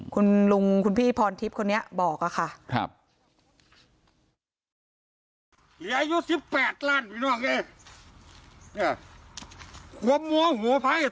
คุณลุงคุณพี่พรทิพย์คนนี้บอกค่ะ